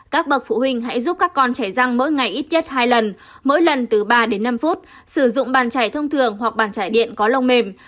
các bậc phụ huynh hãy giúp các con chảy răng mỗi ngày ít nhất hai lần mỗi lần từ ba đến năm phút sử dụng bàn chảy thông thường hoặc bàn trải điện có lông mềm